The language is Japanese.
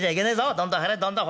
どんどん張れどんどんほら。